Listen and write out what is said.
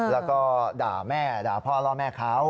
แล้วก็ด่าแม่ด่าพ่อล่อแม่เขา